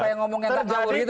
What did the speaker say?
supaya ngomong yang terjauh gitu